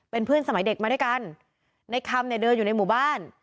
เป็นเพื่อนสมัยเด็กมาด้วยกันในคำเนี่ยเดินอยู่ในหมู่บ้าน